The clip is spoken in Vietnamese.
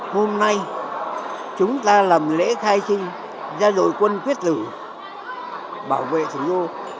hôm nay chúng ta làm lễ khai sinh ra rồi quân quyết lử bảo vệ thủ đô